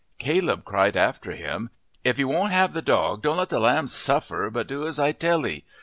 Caleb cried after him: "If you won't have the dog don't let the lambs suffer but do as I tell 'ee.